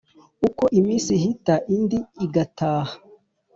Uko iminsi ihita indi igataha